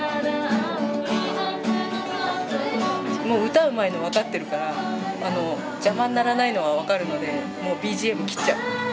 歌うまいのは分かってるから邪魔にならないのは分かるのでもうＢＧＭ切っちゃう。